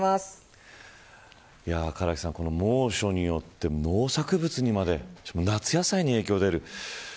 唐木さん、この猛暑によって農作物にまで夏野菜に影響が出る。